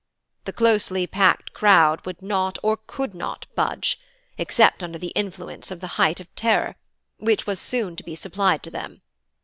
"The closely packed crowd would not or could not budge, except under the influence of the height of terror, which was soon to be supplied to them.